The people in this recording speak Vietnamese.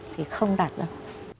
thì không đạt được